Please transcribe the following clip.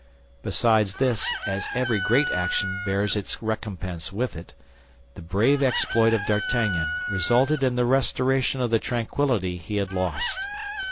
Besides this, as every great action bears its recompense with it, the brave exploit of D'Artagnan resulted in the restoration of the tranquility he had lost.